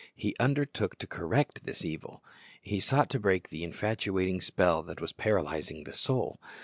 He under took to correct this evil. He sought to break the infatuating spell that was paralyzing the soul.